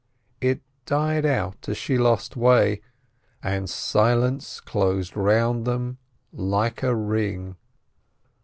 It died out as she lost way, and silence closed round them like a ring.